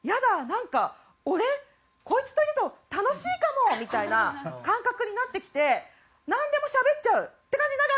なんか俺こいつといると楽しいかもみたいな感覚になってきてなんでもしゃべっちゃうって感じになるわけです。